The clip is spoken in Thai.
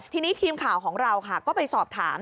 ทีนี้ทีมข่าวของเราค่ะก็ไปสอบถาม